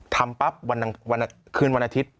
ทำปั๊บคืนวันอาทิตย์